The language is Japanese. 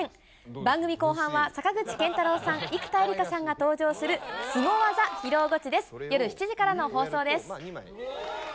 番組後半は、坂口健太郎さん、生田絵梨花さんが登場するスゴ技披露ゴチです。